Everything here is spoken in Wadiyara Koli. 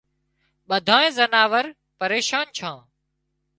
ٻڌانئي زناور پريشان ڇان